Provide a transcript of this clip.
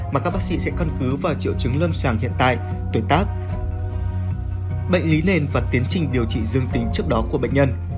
mà các bác sĩ sẽ căn cứ vào triệu chứng lâm sàng hiện tại tuổi tác bệnh lý nền và tiến trình điều trị dương tính trước đó của bệnh nhân